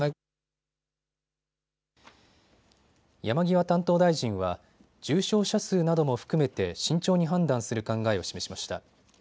山際担当大臣は重症者数なども含めて慎重に判断する考えを示しました。